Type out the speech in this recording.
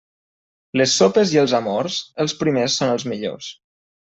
Les sopes i els amors, els primers són els millors.